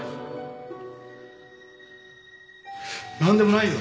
何でもないよ